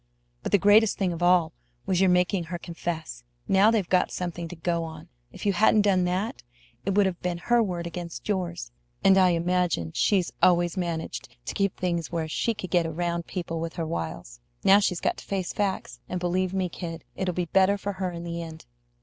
But the greatest thing of all was your making her confess. Now they've got something to go on. If you hadn't done that, it would have been her word against yours; and I imagine she's always managed to keep things where she could get around people with her wiles. Now she's got to face facts; and believe me, kid, it'll be better for her in the end.